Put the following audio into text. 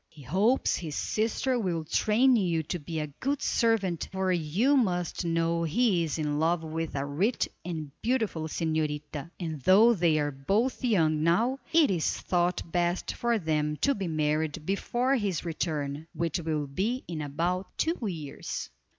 "He hopes his sister will train you to be a good servant for you must know he is in love with a rich and beautiful señorita, and though they are both young now, it is thought best for them to be married before his return, which will be in about two years."